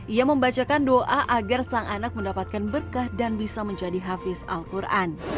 ia membacakan doa agar sang anak mendapatkan berkah dan bisa menjadi hafiz al quran